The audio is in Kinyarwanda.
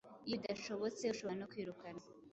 iyo bidashobotse, ushobora no kwirukanwa